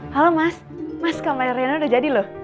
halo mas mas kamar rina udah jadi loh